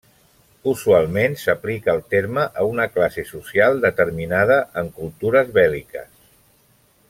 Usualment s'aplica el terme a una classe social determinada en cultures bèl·liques.